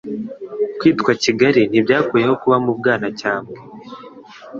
Kwitwa Kigali, ntibyakuyeho kuba mu Bwanacyambwe,